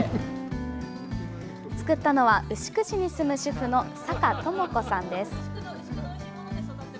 作ったのは、牛久市に住む主婦の坂朋子さんです。